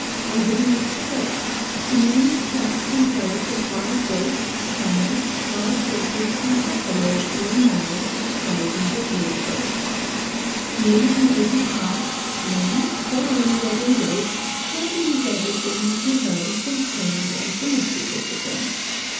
Over these steppes immense flocks and herds of wild goats, camels, wild horses, and buffalo roam now as thousands of years ago. Here, in ages past, man, following where they led, gradually gathered them into herds and tamed and domesticated them.